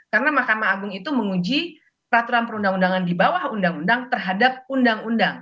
karena makam agung itu menguji peraturan perundang undangan di bawah undang undang terhadap undang undang